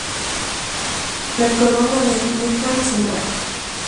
La corona de Ntra´Sra.